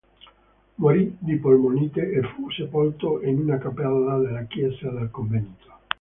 Morì di polmonite e fu sepolto in una cappella della chiesa del convento.